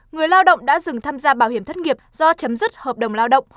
người lao động đã dừng tham gia bảo hiểm thất nghiệp do chấm dứt hợp đồng lao động